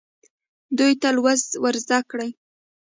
دوی ته لوست ورزده کړئ.